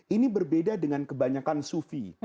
ini berbeda dengan kebanyakan sufi